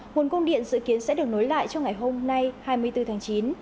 nguồn công điện dự kiến sẽ được nối lại cho ngày hôm nay hai mươi bốn tháng chín